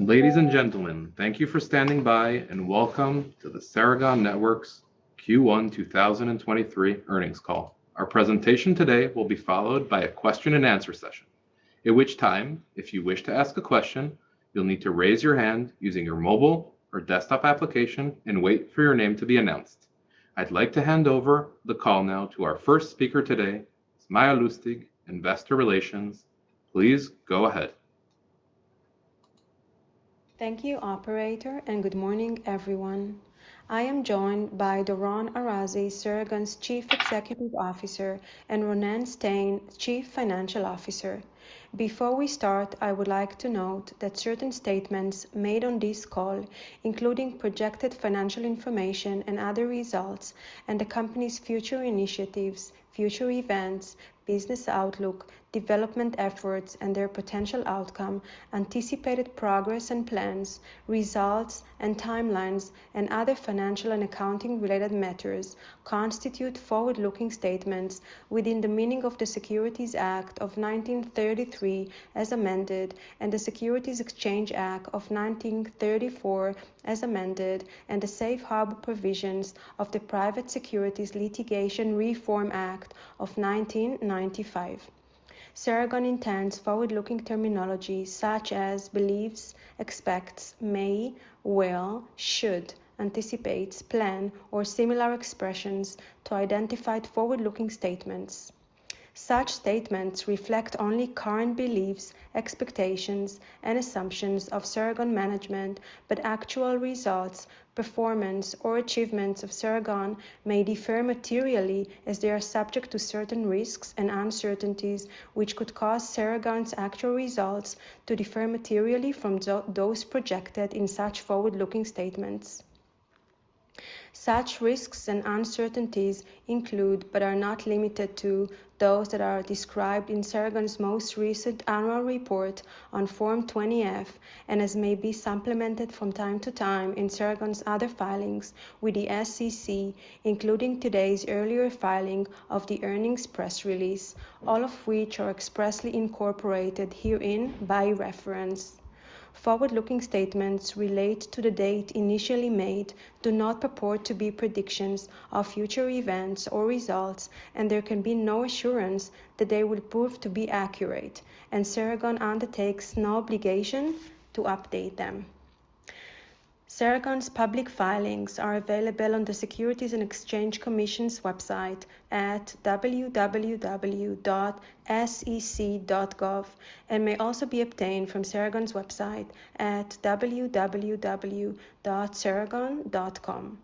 Ladies and gentlemen, thank you for standing by. Welcome to the Ceragon Networks Q1 2023 earnings call. Our presentation today will be followed by a question and answer session. At which time, if you wish to ask a question, you'll need to raise your hand using your mobile or desktop application and wait for your name to be announced. I'd like to hand over the call now to our first speaker today, Maya Lustig, Investor Relations. Please go ahead. Thank you, operator, and good morning, everyone. I am joined by Doron Arazi, Ceragon's Chief Executive Officer, and Ronen Stein, Chief Financial Officer. Before we start, I would like to note that certain statements made on this call, including projected financial information and other results, and the company's future initiatives, future events, business outlook, development efforts, and their potential outcome, anticipated progress and plans, results and timelines, and other financial and accounting related matters, constitute forward-looking statements within the meaning of the Securities Act of 1933 as amended, and the Securities Exchange Act of 1934 as amended, and the safe harbor provisions of the Private Securities Litigation Reform Act of 1995. Ceragon intends forward-looking terminology such as believes, expects, may, will, should, anticipates, plan, or similar expressions to identify forward-looking statements. Such statements reflect only current beliefs, expectations, and assumptions of Ceragon management, but actual results, performance, or achievements of Ceragon may differ materially as they are subject to certain risks and uncertainties, which could cause Ceragon's actual results to differ materially from those projected in such forward-looking statements. Such risks and uncertainties include, but are not limited to, those that are described in Ceragon's most recent annual report on Form 20-F, and as may be supplemented from time to time in Ceragon's other filings with the SEC, including today's earlier filing of the earnings press release, all of which are expressly incorporated herein by reference. Forward-looking statements relate to the date initially made, do not purport to be predictions of future events or results, and there can be no assurance that they will prove to be accurate, and Ceragon undertakes no obligation to update them. Ceragon's public filings are available on the Securities and Exchange Commission's website at www.sec.gov, and may also be obtained from Ceragon's website at www.ceragon.com.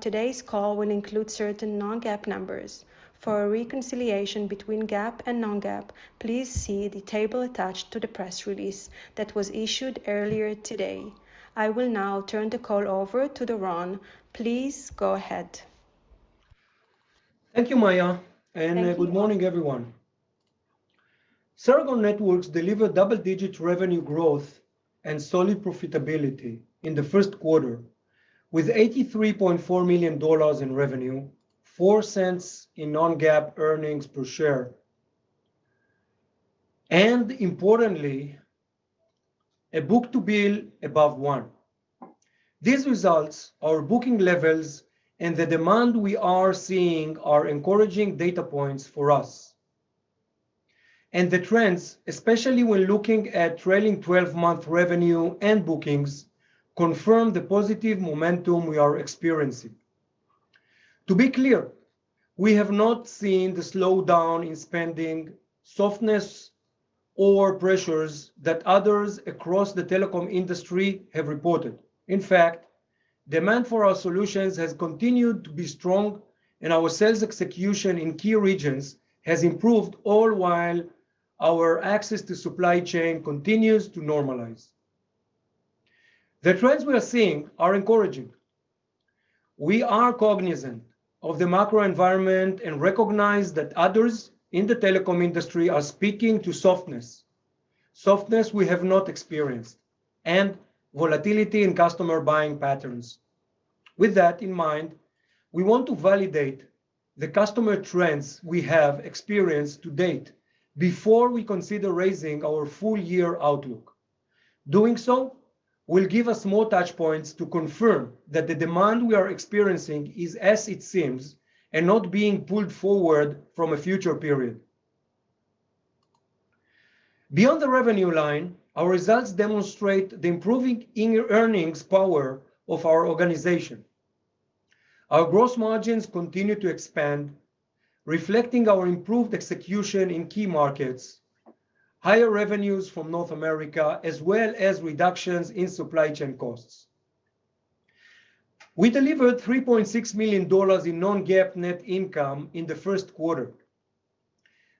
Today's call will include certain non-GAAP numbers. For a reconciliation between GAAP and non-GAAP, please see the table attached to the press release that was issued earlier today. I will now turn the call over to Doron. Please go ahead. Thank you, Maya. Thank you. Good morning, everyone. Ceragon Networks delivered double-digit revenue growth and solid profitability in the first quarter with $83.4 million in revenue, $0.04 in non-GAAP earnings per share, and importantly, a book-to-bill above 1. These results, our booking levels, and the demand we are seeing are encouraging data points for us. The trends, especially when looking at trailing 12-month revenue and bookings, confirm the positive momentum we are experiencing. To be clear, we have not seen the slowdown in spending softness or pressures that others across the telecom industry have reported. In fact, demand for our solutions has continued to be strong, and our sales execution in key regions has improved, all while our access to supply chain continues to normalize. The trends we are seeing are encouraging. We are cognizant of the macro environment and recognize that others in the telecom industry are speaking to softness we have not experienced, and volatility in customer buying patterns. With that in mind, we want to validate the customer trends we have experienced to date before we consider raising our full year outlook. Doing so will give us more touch points to confirm that the demand we are experiencing is as it seems and not being pulled forward from a future period. Beyond the revenue line, our results demonstrate the improving earnings power of our organization. Our gross margins continue to expand, reflecting our improved execution in key markets, higher revenues from North America, as well as reductions in supply chain costs. We delivered $3.6 million in non-GAAP net income in the first quarter.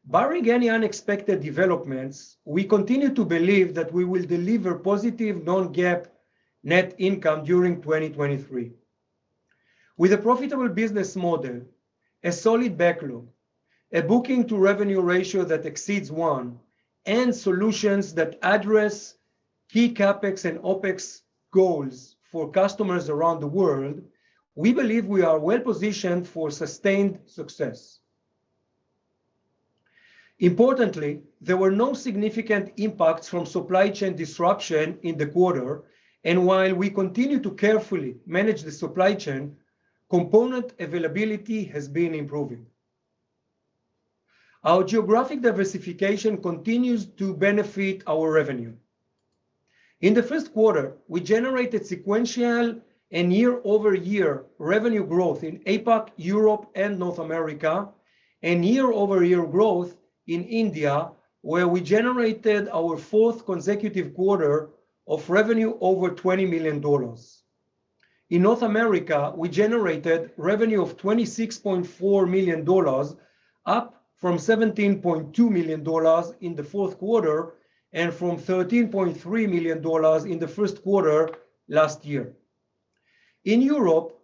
Barring any unexpected developments, we continue to believe that we will deliver positive non-GAAP net income during 2023. With a profitable business model, a solid backlog, a booking-to-revenue ratio that exceeds 1, and solutions that address key CapEx and OpEx goals for customers around the world, we believe we are well positioned for sustained success. Importantly, there were no significant impacts from supply chain disruption in the quarter. While we continue to carefully manage the supply chain, component availability has been improving. Our geographic diversification continues to benefit our revenue. In the first quarter, we generated sequential and year-over-year revenue growth in APAC, Europe and North America, and year-over-year growth in India, where we generated our fourth consecutive quarter of revenue over $20 million. In North America, we generated revenue of $26.4 million, up from $17.2 million in the fourth quarter and from $13.3 million in the first quarter last year. In Europe,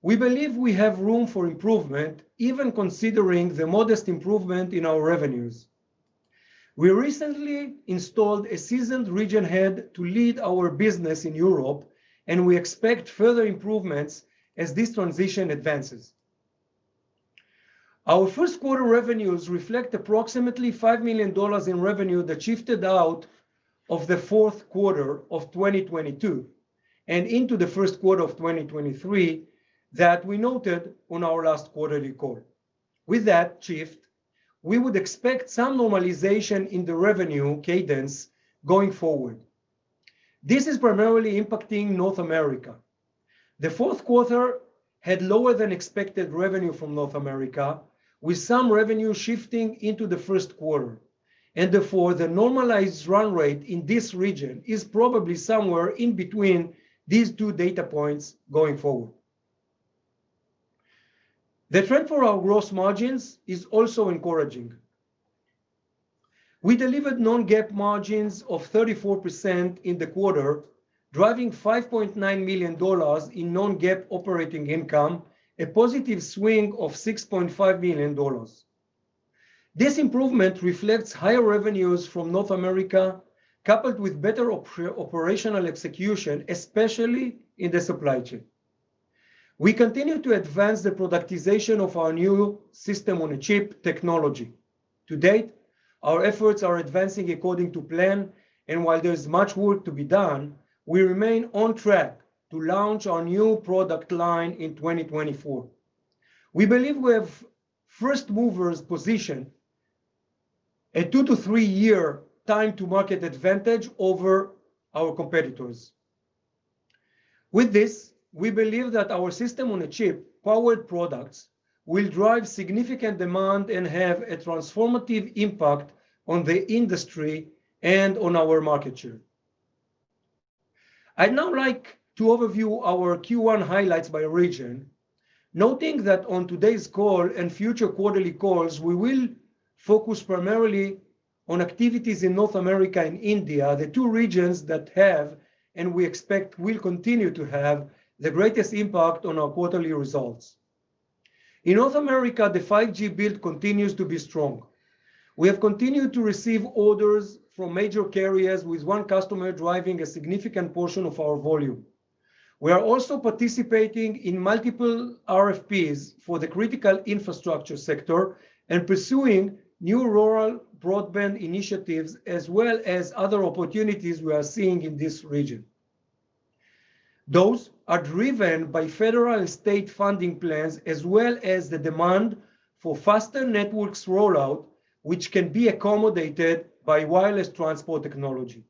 we believe we have room for improvement, even considering the modest improvement in our revenues. We recently installed a seasoned region head to lead our business in Europe. We expect further improvements as this transition advances. Our first quarter revenues reflect approximately $5 million in revenue that shifted out of the fourth quarter of 2022 and into the first quarter of 2023 that we noted on our last quarterly call. With that shift, we would expect some normalization in the revenue cadence going forward. This is primarily impacting North America. The fourth quarter had lower than expected revenue from North America, with some revenue shifting into the first quarter. Therefore, the normalized run rate in this region is probably somewhere in between these two data points going forward. The trend for our gross margins is also encouraging. We delivered non-GAAP margins of 34% in the quarter, driving $5.9 million in non-GAAP operating income, a positive swing of $6.5 million. This improvement reflects higher revenues from North America, coupled with better operational execution, especially in the supply chain. We continue to advance the productization of our new system-on-a-chip technology. To date, our efforts are advancing according to plan, and while there's much work to be done, we remain on track to launch our new product line in 2024. We believe we have first-movers position, a 2-3 year time to market advantage over our competitors. With this, we believe that our system-on-a-chip powered products will drive significant demand and have a transformative impact on the industry and on our market share. I'd now like to overview our Q1 highlights by region, noting that on today's call and future quarterly calls, we will focus primarily on activities in North America and India, the two regions that have, and we expect will continue to have, the greatest impact on our quarterly results. In North America, the 5G build continues to be strong. We have continued to receive orders from major carriers, with one customer driving a significant portion of our volume. We are also participating in multiple RFPs for the critical infrastructure sector and pursuing new rural broadband initiatives as well as other opportunities we are seeing in this region. Those are driven by federal and state funding plans as well as the demand for faster networks rollout, which can be accommodated by wireless transport technology.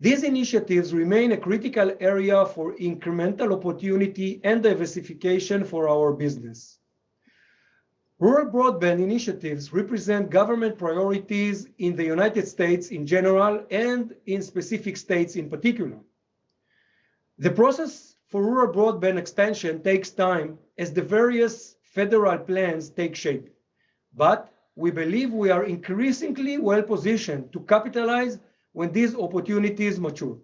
These initiatives remain a critical area for incremental opportunity and diversification for our business. Rural broadband initiatives represent government priorities in the United States in general and in specific states in particular. The process for rural broadband expansion takes time as the various federal plans take shape. We believe we are increasingly well positioned to capitalize when these opportunities mature.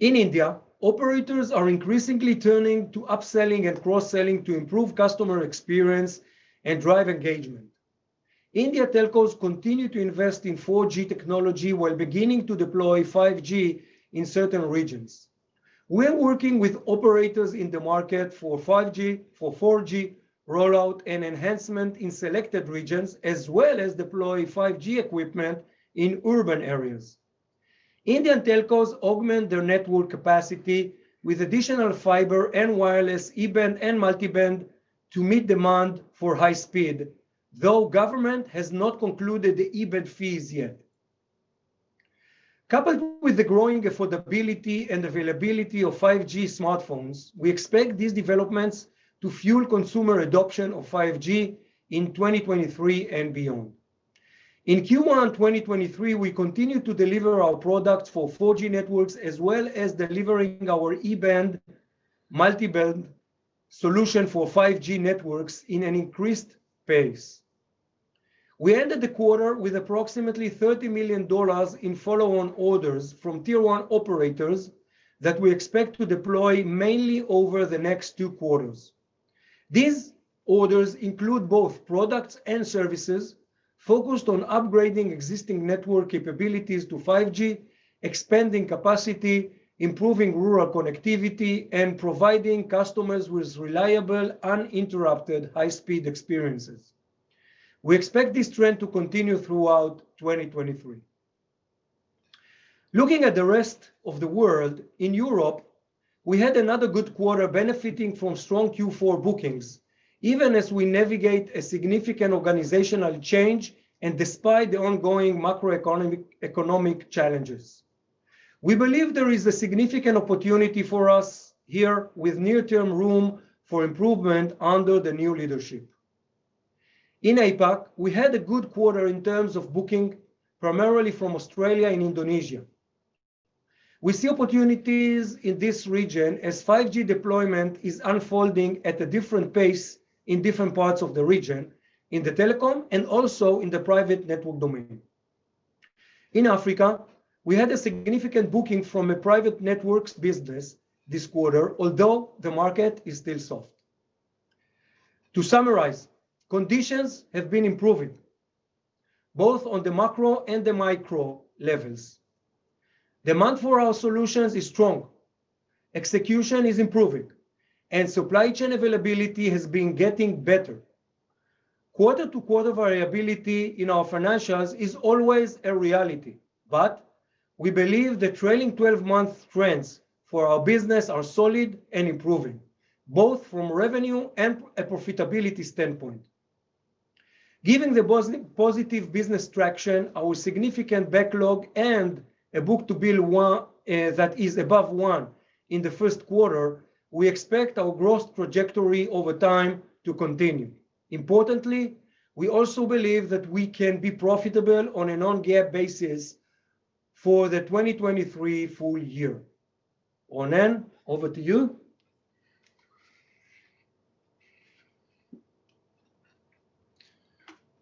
In India, operators are increasingly turning to upselling and cross-selling to improve customer experience and drive engagement. India telcos continue to invest in 4G technology while beginning to deploy 5G in certain regions. We are working with operators in the market for 4G rollout and enhancement in selected regions as well as deploy 5G equipment in urban areas. Indian telcos augment their network capacity with additional fiber and wireless E-band and multiband to meet demand for high speed, though government has not concluded the E-band fees yet. Coupled with the growing affordability and availability of 5G smartphones, we expect these developments to fuel consumer adoption of 5G in 2023 and beyond. In Q1 2023, we continue to deliver our products for 4G networks as well as delivering our E-band multiband solution for 5G networks in an increased pace. We ended the quarter with approximately $30 million in follow-on orders from tier one operators that we expect to deploy mainly over the next two quarters. These orders include both products and services. Focused on upgrading existing network capabilities to 5G, expanding capacity, improving rural connectivity, and providing customers with reliable, uninterrupted high-speed experiences. We expect this trend to continue throughout 2023. Looking at the rest of the world, in Europe, we had another good quarter benefiting from strong Q4 bookings, even as we navigate a significant organizational change and despite the ongoing macroeconomic, economic challenges. We believe there is a significant opportunity for us here with near-term room for improvement under the new leadership. In APAC, we had a good quarter in terms of booking, primarily from Australia and Indonesia. We see opportunities in this region as 5G deployment is unfolding at a different pace in different parts of the region, in the telecom and also in the private network domain. In Africa, we had a significant booking from a private networks business this quarter, although the market is still soft. To summarize, conditions have been improving both on the macro and the micro levels. Demand for our solutions is strong, execution is improving, and supply chain availability has been getting better. Quarter-to-quarter variability in our financials is always a reality, but we believe the trailing-twelve-month trends for our business are solid and improving, both from revenue and a profitability standpoint. Given the positive business traction, our significant backlog, and a book-to-bill one that is above one in the first quarter, we expect our growth trajectory over time to continue. Importantly, we also believe that we can be profitable on a non-GAAP basis for the 2023 full year. Ronen, over to you.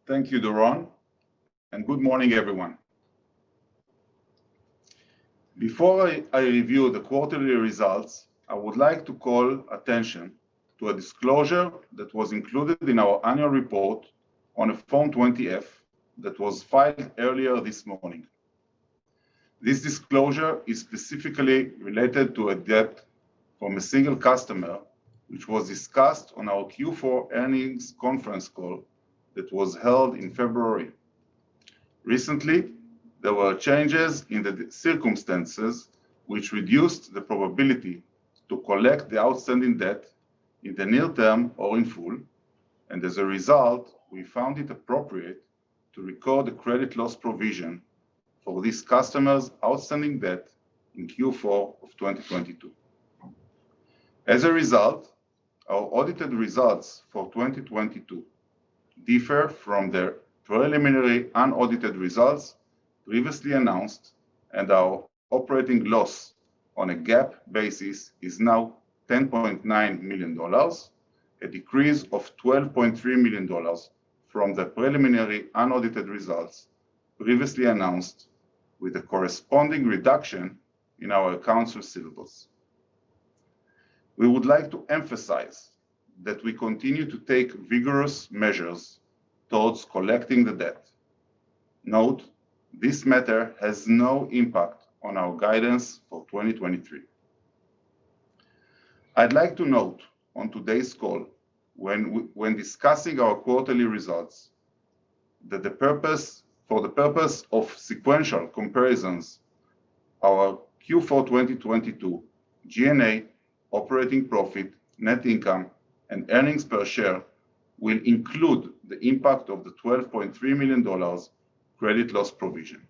Thank you, Doron, and good morning, everyone. Before I review the quarterly results, I would like to call attention to a disclosure that was included in our annual report on a Form 20-F that was filed earlier this morning. This disclosure is specifically related to a debt from a single customer, which was discussed on our Q4 earnings conference call that was held in February. Recently, there were changes in the circumstances which reduced the probability to collect the outstanding debt in the near term or in full. As a result, we found it appropriate to record a credit loss provision for this customer's outstanding debt in Q4 of 2022. As a result, our audited results for 2022 differ from their preliminary unaudited results previously announced, and our operating loss on a GAAP basis is now $10.9 million, a decrease of $12.3 million from the preliminary unaudited results previously announced with a corresponding reduction in our accounts receivables. We would like to emphasize that we continue to take vigorous measures towards collecting the debt. Note, this matter has no impact on our guidance for 2023. I'd like to note on today's call when discussing our quarterly results, for the purpose of sequential comparisons, our Q4 2022 non-GAAP operating profit, net income, and earnings per share will include the impact of the $12.3 million credit loss provision.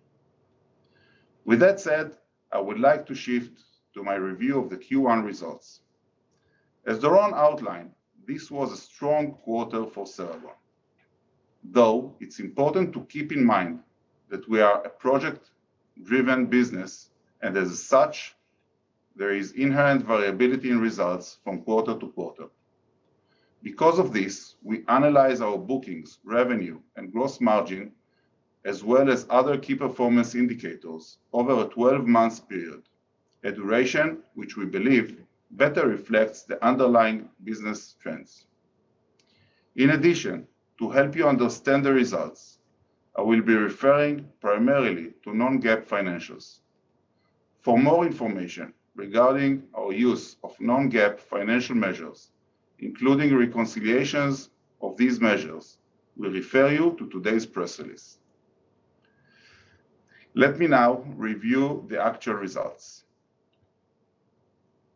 With that said, I would like to shift to my review of the Q1 results. As Doron outlined, this was a strong quarter for Ceragon, though it's important to keep in mind that we are a project-driven business, and as such, there is inherent variability in results from quarter to quarter. We analyze our bookings, revenue, and gross margin, as well as other key performance indicators over a 12-month period, a duration which we believe better reflects the underlying business trends. To help you understand the results, I will be referring primarily to non-GAAP financials. For more information regarding our use of non-GAAP financial measures, including reconciliations of these measures, we refer you to today's press release. Let me now review the actual results.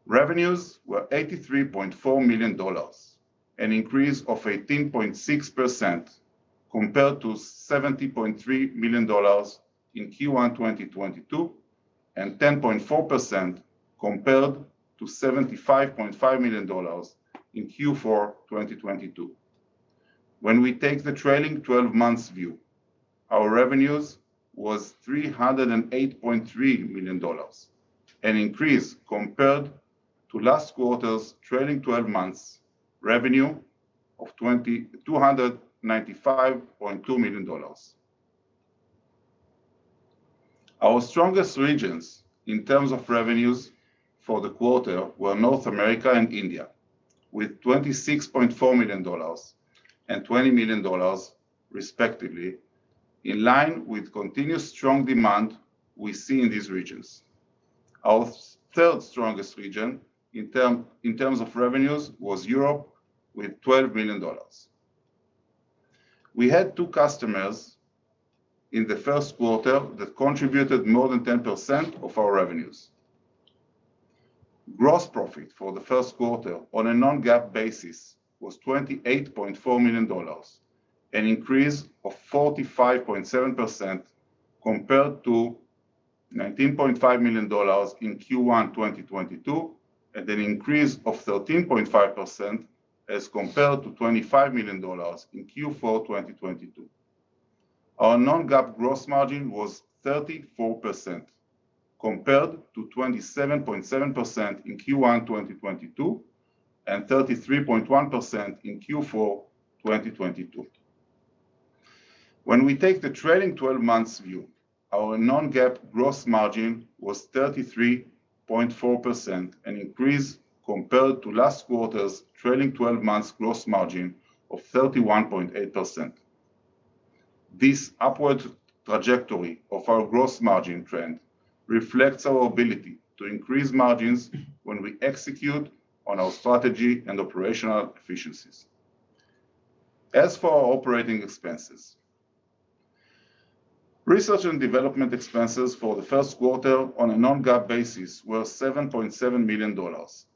Revenues were $83.4 million, an increase of 18.6% compared to $70.3 million in Q1 2022, and 10.4% compared to $75.5 million in Q4 2022. When we take the trailing twelve months view, our revenues was $308.3 million, an increase compared to last quarter's trailing twelve months revenue of $295.2 million. Our strongest regions in terms of revenues for the quarter were North America and India, with $26.4 million and $20 million respectively, in line with continuous strong demand we see in these regions. Our third strongest region in terms of revenues was Europe with $12 million. We had two customers in the first quarter that contributed more than 10% of our revenues. Gross profit for the first quarter on a non-GAAP basis was $28.4 million, an increase of 45.7% compared to $19.5 million in Q1 2022, and an increase of 13.5% as compared to $25 million in Q4 2022. Our non-GAAP gross margin was 34%, compared to 27.7% in Q1 2022, and 33.1% in Q4 2022. When we take the trailing twelve months view, our non-GAAP gross margin was 33.4%, an increase compared to last quarter's trailing twelve months gross margin of 31.8%. This upward trajectory of our gross margin trend reflects our ability to increase margins when we execute on our strategy and operational efficiencies. As for our operating expenses, research and development expenses for the first quarter on a non-GAAP basis were $7.7 million,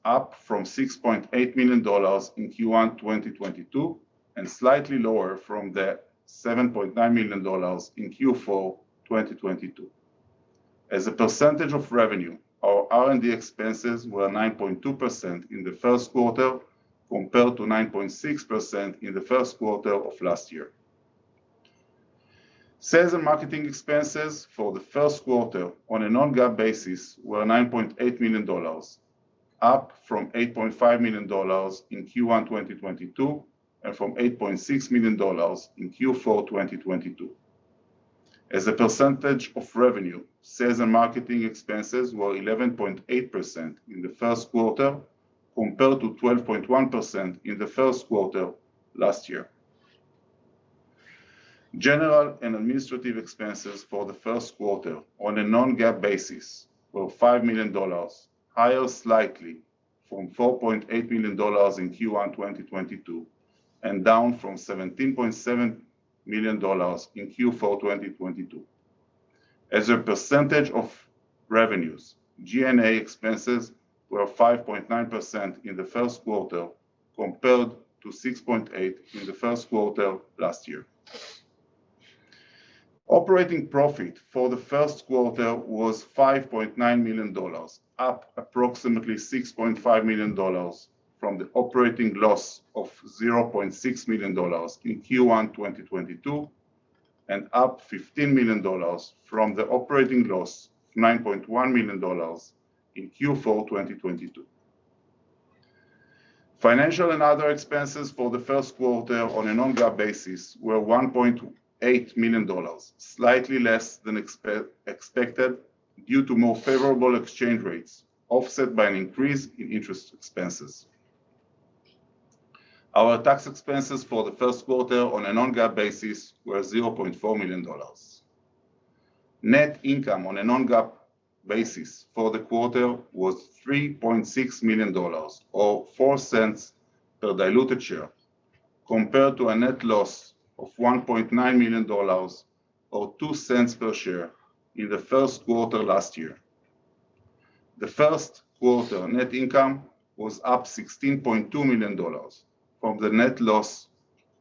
up from $6.8 million in Q1 2022, and slightly lower from the $7.9 million in Q4 2022. As a percentage of revenue, our R&D expenses were 9.2% in the first quarter compared to 9.6% in the first quarter of last year. Sales and marketing expenses for the first quarter on a non-GAAP basis were $9.8 million, up from $8.5 million in Q1 2022, and from $8.6 million in Q4 2022. As a percentage of revenue, sales and marketing expenses were 11.8% in the first quarter compared to 12.1% in the first quarter last year. General and administrative expenses for the first quarter on a non-GAAP basis were $5 million, higher slightly from $4.8 million in Q1 2022, and down from $17.7 million in Q4 2022. As a percentage of revenues, G&A expenses were 5.9% in the first quarter compared to 6.8% in the first quarter last year. Operating profit for the first quarter was $5.9 million, up approximately $6.5 million from the operating loss of $0.6 million in Q1 2022, and up $15 million from the operating loss of $9.1 million in Q4 2022. Financial and other expenses for the first quarter on a non-GAAP basis were $1.8 million, slightly less than expected due to more favorable exchange rates, offset by an increase in interest expenses. Our tax expenses for the first quarter on a non-GAAP basis were $0.4 million. Net income on a non-GAAP basis for the quarter was $3.6 million or $0.04 per diluted share, compared to a net loss of $1.9 million or $0.02 per share in the first quarter last year. The first quarter net income was up $16.2 million from the net loss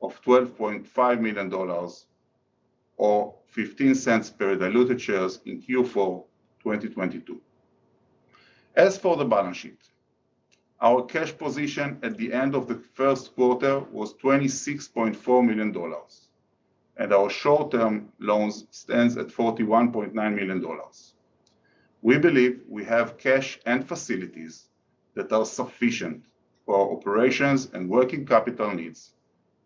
of $12.5 million or $0.15 per diluted shares in Q4 2022. As for the balance sheet, our cash position at the end of the first quarter was $26.4 million, and our short-term loans stands at $41.9 million. We believe we have cash and facilities that are sufficient for our operations and working capital needs,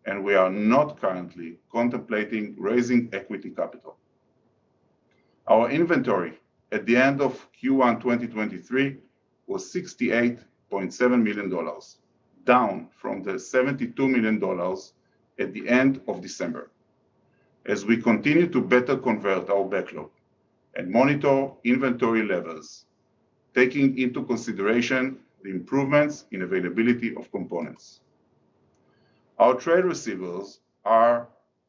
and we are not currently contemplating raising equity capital. Our inventory at the end of Q1 2023 was $68.7 million, down from the $72 million at the end of December, as we continue to better convert our backlog and monitor inventory levels, taking into consideration the improvements in availability of components. Our trade receivables are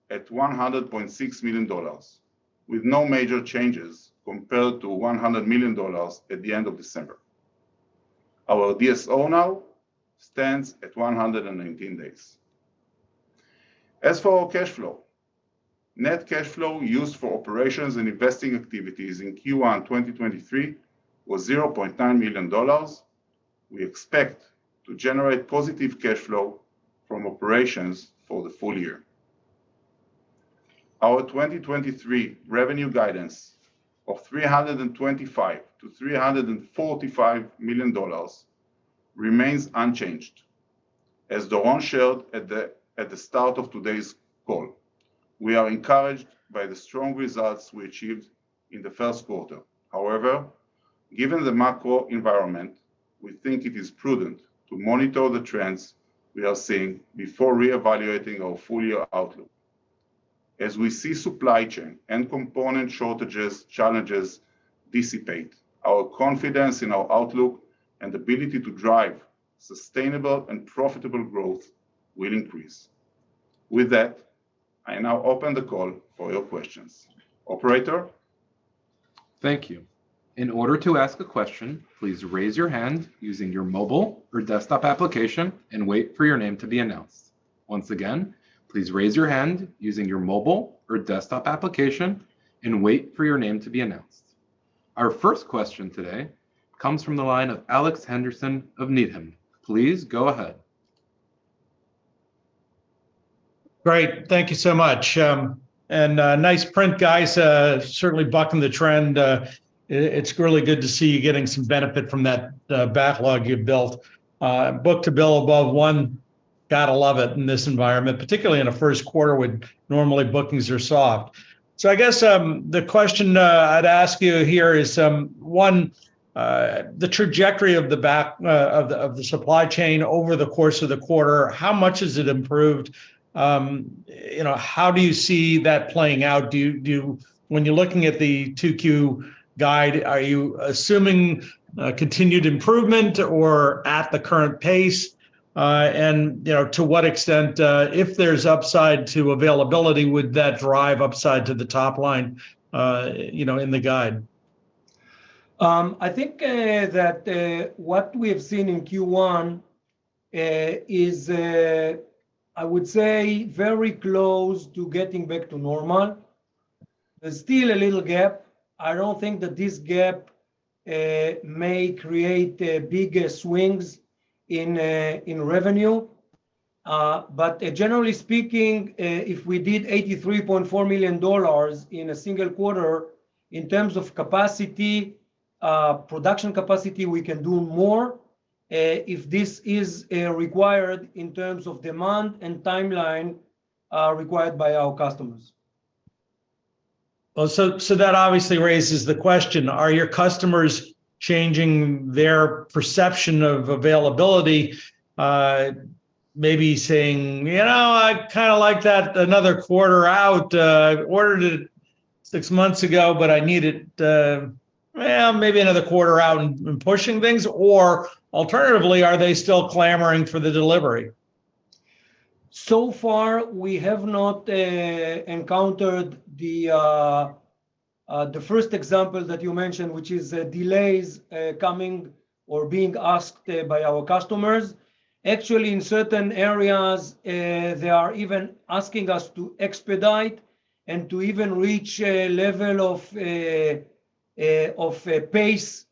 at $100.6 million with no major changes compared to $100 million at the end of December. Our DSO now stands at 119 days. As for our cash flow, net cash flow used for operations and investing activities in Q1 2023 was $0.9 million. We expect to generate positive cash flow from operations for the full year. Our 2023 revenue guidance of $325 million-$345 million remains unchanged. As Doron shared at the start of today's call, we are encouraged by the strong results we achieved in the first quarter. Given the macro environment, we think it is prudent to monitor the trends we are seeing before reevaluating our full year outlook. As we see supply chain and component shortages, challenges dissipate, our confidence in our outlook and ability to drive sustainable and profitable growth will increase. I now open the call for your questions. Operator? Thank you. In order to ask a question, please raise your hand using your mobile or desktop application and wait for your name to be announced. Once again, please raise your hand using your mobile or desktop application and wait for your name to be announced. Our first question today comes from the line of Alex Henderson of Needham. Please go ahead. Great. Thank you so much. Nice print, guys. Certainly bucking the trend. It's really good to see you getting some benefit from that backlog you've built. Book-to-bill above one, gotta love it in this environment, particularly in a first quarter when normally bookings are soft. I guess the question I'd ask you here is one, the trajectory of the supply chain over the course of the quarter, how much has it improved? You know, how do you see that playing out? Do you... When you're looking at the 2Q guide, are you assuming continued improvement or at the current pace? And, you know, to what extent, if there's upside to availability, would that drive upside to the top line, you know, in the guide? I think that what we have seen in Q1 is I would say very close to getting back to normal. There's still a little gap. I don't think that this gap may create big swings in revenue. Generally speaking, if we did $83.4 million in a single quarter, in terms of capacity, production capacity, we can do more, if this is required in terms of demand and timeline required by our customers. That obviously raises the question, are your customers changing their perception of availability, maybe saying, "You know, I kind of like that another quarter out. I ordered it 6 months ago, but I need it, well, maybe another quarter out and pushing things"? Alternatively, are they still clamoring for the delivery? So far, we have not encountered the first example that you mentioned, which is delays coming or being asked by our customers. Actually, in certain areas, they are even asking us to expedite and to even reach a level of a pace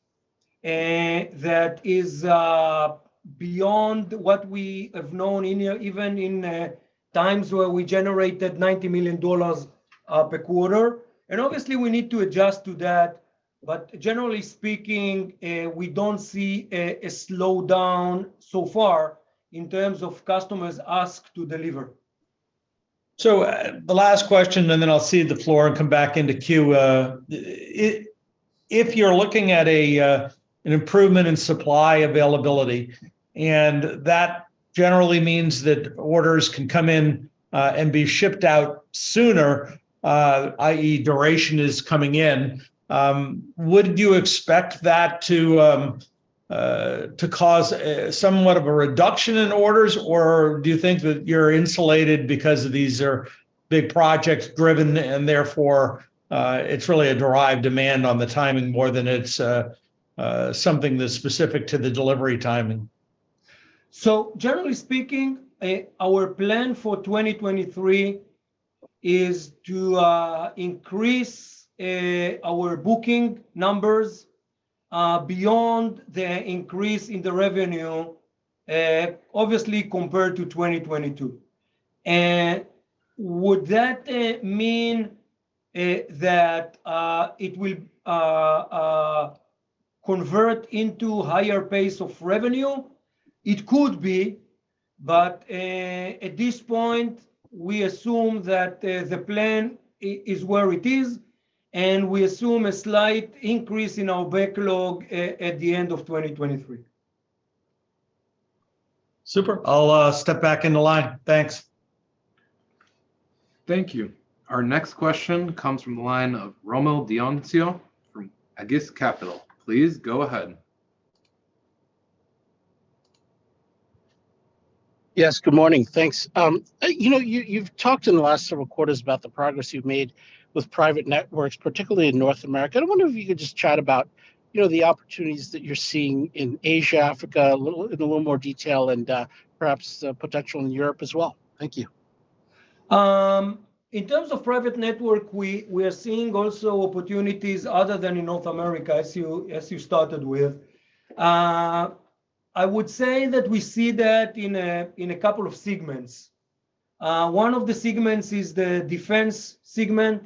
that is beyond what we have known even in times where we generated $90 million per quarter. Obviously, we need to adjust to that. Generally speaking, we don't see a slowdown so far in terms of customers ask to deliver. The last question, and then I'll cede the floor and come back in to queue. If you're looking at an improvement in supply availability, and that generally means that orders can come in and be shipped out sooner, i.e. duration is coming in, would you expect that to cause somewhat of a reduction in orders? Or do you think that you're insulated because these are big projects driven, and therefore, it's really a derived demand on the timing more than it's something that's specific to the delivery timing? Generally speaking, our plan for 2023 is to increase our booking numbers beyond the increase in the revenue, obviously compared to 2022. Would that mean that it will convert into higher pace of revenue? It could be, but at this point, we assume that the plan is where it is, and we assume a slight increase in our backlog at the end of 2023. Super. I'll step back in the line. Thanks. Thank you. Our next question comes from the line of Rommel Dionisio from Aegis Capital. Please go ahead. Yes, good morning. Thanks. you know, you've talked in the last several quarters about the progress you've made with private networks, particularly in North America. I wonder if you could just chat about, you know, the opportunities that you're seeing in Asia, Africa, a little, in a little more detail and perhaps the potential in Europe as well. Thank you. In terms of private network, we are seeing also opportunities other than in North America, as you started with. I would say that we see that in a couple of segments. One of the segments is the defense segment.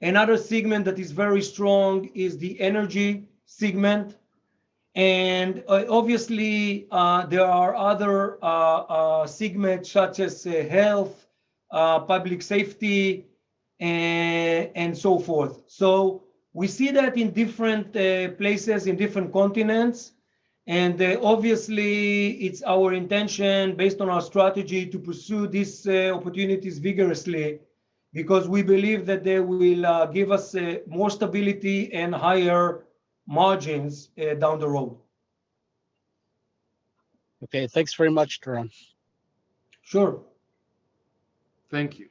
Another segment that is very strong is the energy segment. Obviously, there are other segments such as health, public safety, and so forth. We see that in different places, in different continents. Obviously it's our intention based on our strategy to pursue these opportunities vigorously because we believe that they will give us more stability and higher margins down the road. Okay. Thanks very much, Doron. Sure. Thank you.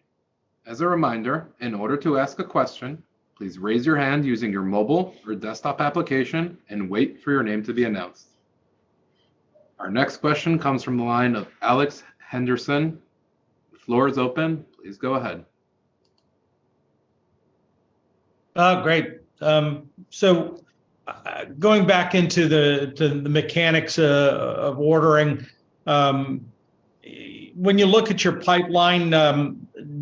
As a reminder, in order to ask a question, please raise your hand using your mobile or desktop application and wait for your name to be announced. Our next question comes from the line of Alex Henderson. The floor is open. Please go ahead. Oh, great. Going back into the, to the mechanics of ordering, when you look at your pipeline,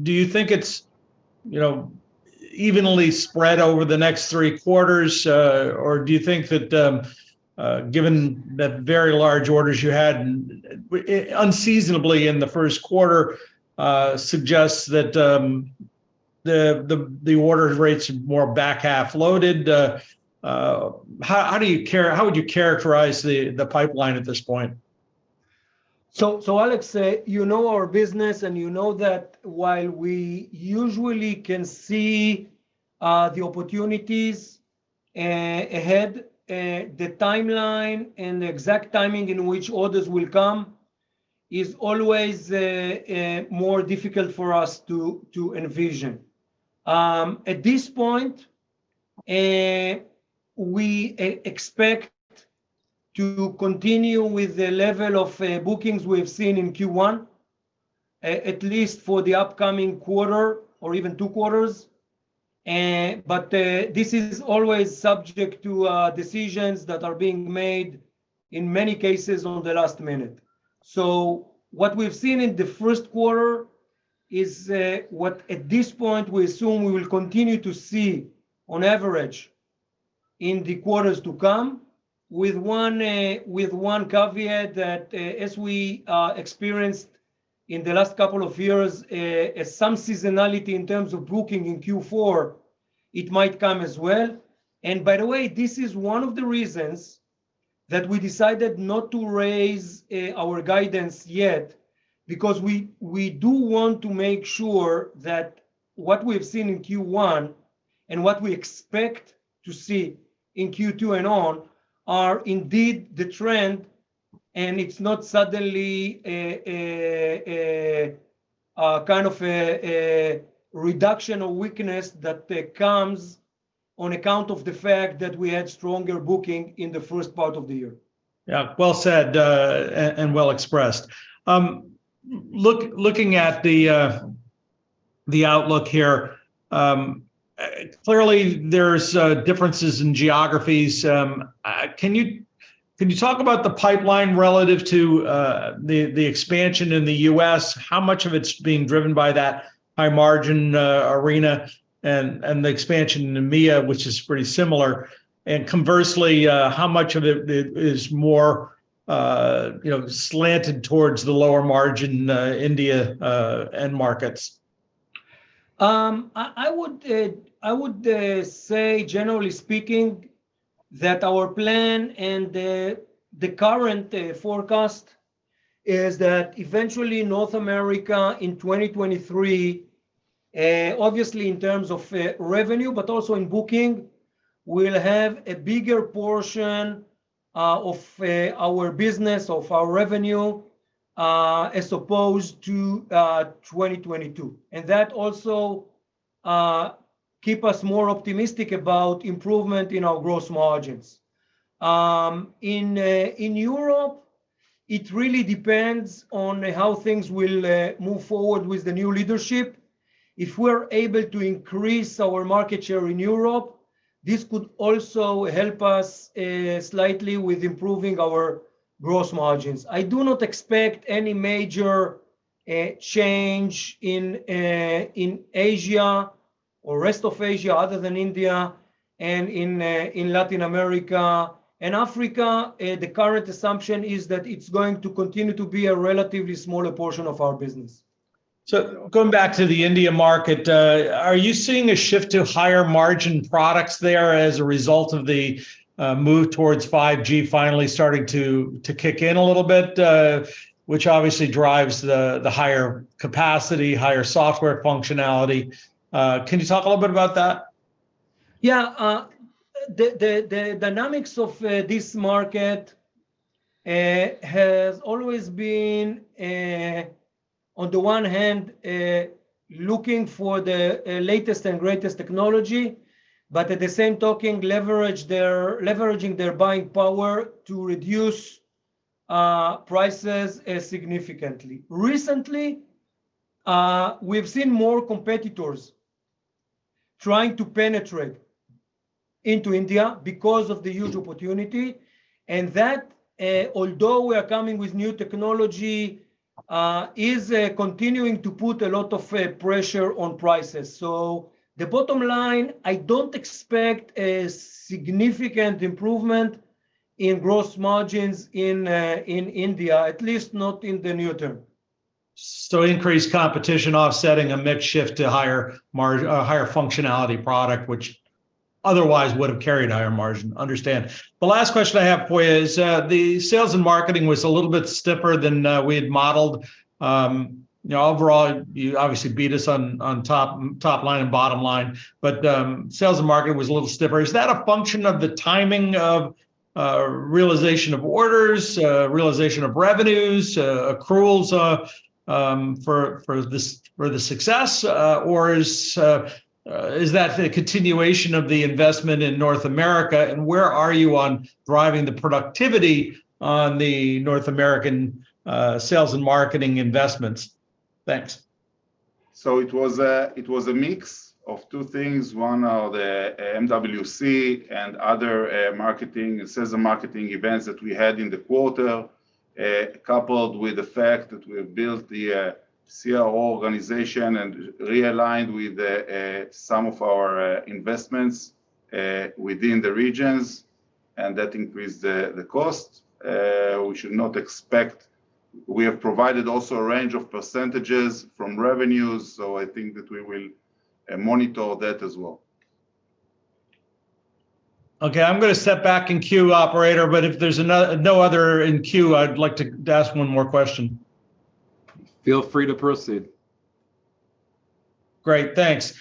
do you think it's, you know, evenly spread over the next 3 quarters, or do you think that, given the very large orders you had, unseasonably in the 1st quarter, suggests that, the order rates are more back half loaded? How would you characterize the pipeline at this point? Alex, you know our business and you know that while we usually can see the opportunities ahead, the timeline and the exact timing in which orders will come is always more difficult for us to envision. At this point, we expect to continue with the level of bookings we've seen in Q1, at least for the upcoming quarter or even 2 quarters. This is always subject to decisions that are being made, in many cases on the last minute. What we've seen in the first quarter is what at this point we assume we will continue to see on average in the quarters to come with one, with one caveat that as we experienced in the last couple of years, some seasonality in terms of booking in Q4, it might come as well. By the way, this is one of the reasons that we decided not to raise our guidance yet because we do want to make sure that what we've seen in Q1 and what we expect to see in Q2 and on are indeed the trend, and it's not suddenly a kind of a reduction or weakness that comes on account of the fact that we had stronger booking in the first part of the year. Yeah. Well said and well expressed. Look, looking at the outlook here, clearly there's differences in geographies. Can you talk about the pipeline relative to the expansion in the U.S.? How much of it's being driven by that high margin arena and the expansion in EMEA, which is pretty similar? Conversely, how much of it is more, you know, slanted towards the lower margin India end markets? I would say generally speaking that our plan and the current forecast is that eventually North America in 2023, obviously in terms of revenue but also in booking, will have a bigger portion of our business, of our revenue, as opposed to 2022. That also keep us more optimistic about improvement in our gross margins. In Europe, it really depends on how things will move forward with the new leadership. If we're able to increase our market share in Europe, this could also help us slightly with improving our gross margins. I do not expect any major change in Asia or rest of Asia other than India and in Latin America. Africa, the current assumption is that it's going to continue to be a relatively smaller portion of our business. Going back to the India market, are you seeing a shift to higher margin products there as a result of the move towards 5G finally starting to kick in a little bit, which obviously drives the higher capacity, higher software functionality? Can you talk a little bit about that? The dynamics of this market has always been on the one hand looking for the latest and greatest technology, but at the same token, leveraging their buying power to reduce prices significantly. Recently, we've seen more competitors trying to penetrate into India because of the huge opportunity, and that, although we are coming with new technology, is continuing to put a lot of pressure on prices. The bottom line, I don't expect a significant improvement in gross margins in India, at least not in the near term. Increased competition offsetting a mix shift to higher functionality product, which otherwise would've carried higher margin. Understand. The last question I have for you is the sales and marketing was a little bit stiffer than we had modeled. you know, overall you obviously beat us on top line and bottom line, but sales and marketing was a little stiffer. Is that a function of the timing of realization of orders, realization of revenues, accruals, for this, for the success? Is that a continuation of the investment in North America, and where are you on driving the productivity on the North American sales and marketing investments? Thanks. It was a mix of two things. One are the MWC and other marketing, sales and marketing events that we had in the quarter, coupled with the fact that we have built the CRO organization and realigned with some of our investments within the regions, and that increased the cost. We should not expect. We have provided also a range of percentages from revenues. I think that we will monitor that as well. Okay, I'm gonna step back in queue, operator, but if there's no other in queue, I'd like to ask one more question. Feel free to proceed. Great. Thanks.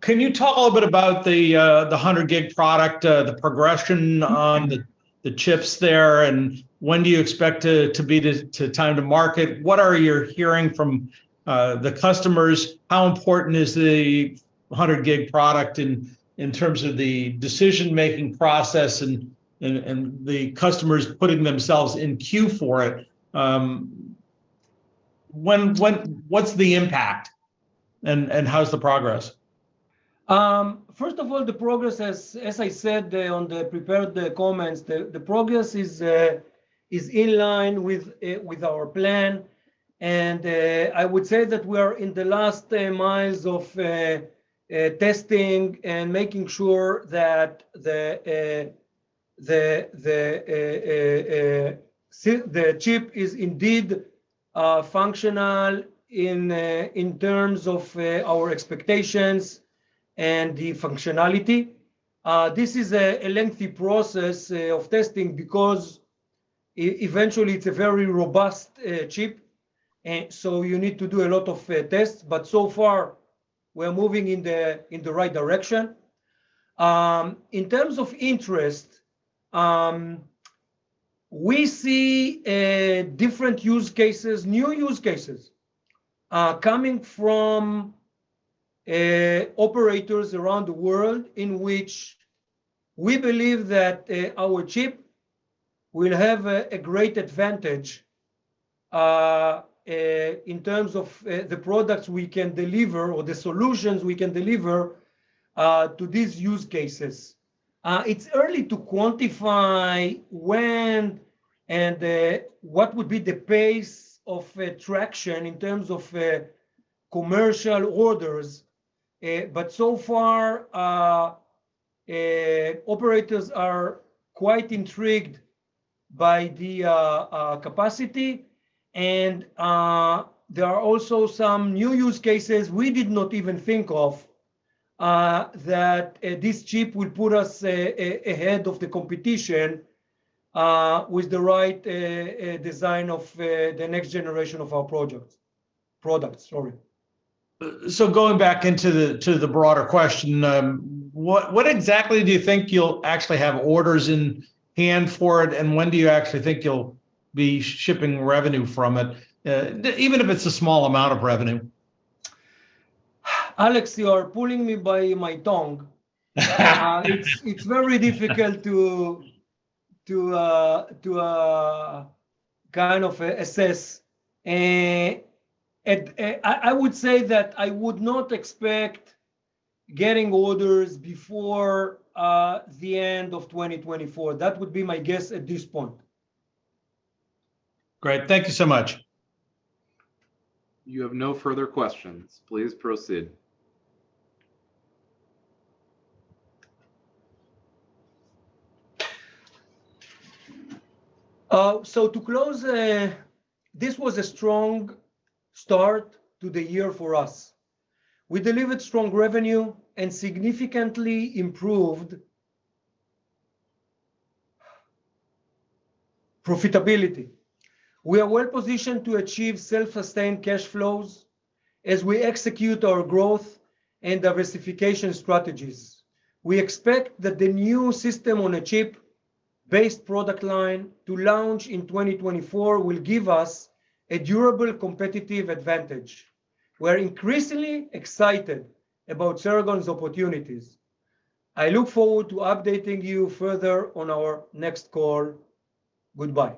Can you talk a little bit about the 100G product, the progression on the chips there, and when do you expect to be to time to market? What are you hearing from the customers? How important is the 100G product in terms of the decision-making process and the customers putting themselves in queue for it? When, what's the impact and how's the progress? First of all, the progress as I said, on the prepared, comments, the progress is in line with our plan. I would say that we are in the last miles of testing and making sure that the chip is indeed functional in terms of our expectations and the functionality. This is a lengthy process of testing because eventually it's a very robust chip, and so you need to do a lot of tests, but so far we're moving in the right direction. In terms of interest, we see different use cases, new use cases, coming from operators around the world in which we believe that our chip will have great advantage in terms of the products we can deliver or the solutions we can deliver to these use cases. It's early to quantify when and what would be the pace of traction in terms of commercial orders, but so far, operators are quite intrigued by the capacity. There are also some new use cases we did not even think of that this chip will put us ahead of the competition with the right design of the next generation of our projects. Products, sorry. Going back to the broader question, what exactly do you think you'll actually have orders in hand for it, and when do you actually think you'll be shipping revenue from it? Even if it's a small amount of revenue. Alex, you are pulling me by my tongue. It's very difficult to kind of assess. I would say that I would not expect getting orders before the end of 2024. That would be my guess at this point. Great. Thank you so much. You have no further questions. Please proceed. To close, this was a strong start to the year for us. We delivered strong revenue and significantly improved profitability. We are well positioned to achieve self-sustained cash flows as we execute our growth and diversification strategies. We expect that the new system-on-a-chip based product line to launch in 2024 will give us a durable competitive advantage. We're increasingly excited about Ceragon's opportunities. I look forward to updating you further on our next call. Goodbye.